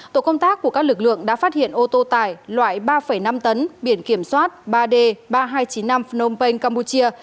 tổ công tác của các lực lượng đã phát hiện ô tô tải loại ba năm tấn biển kiểm soát ba d ba nghìn hai trăm chín mươi năm phnom penh campuchia